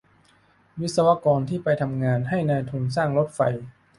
วิศวกรที่ไปทำงานให้นายทุนสร้างรถไฟ